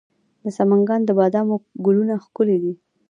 د سمنګان د بادامو ګلونه ښکلي دي.